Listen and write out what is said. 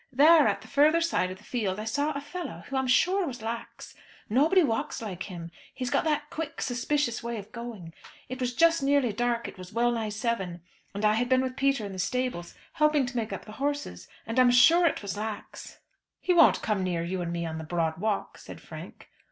There, at the further side of the field, I saw a fellow, who I am sure was Lax. Nobody walks like him, he's got that quick, suspicious way of going. It was just nearly dark; it was well nigh seven, and I had been with Peter in the stables, helping to make up the horses, and I am sure it was Lax." "He won't come near you and me on the broad walk," said Frank.